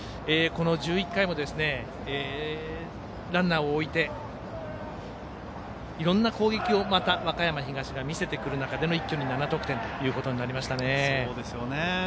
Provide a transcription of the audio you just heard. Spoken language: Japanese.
この１１回もランナーを置いていろんな攻撃を和歌山東が見せてくる中での一挙に７得点となりましたね。